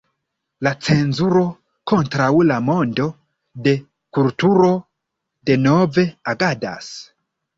La cenzuro kontraŭ la mondo de kulturo denove agadas.